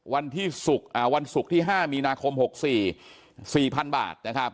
วันศุกร์ที่๕มีนาคม๖๔ปี๔๐๐๐บาท